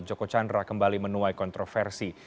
joko chandra kembali menuai kontroversi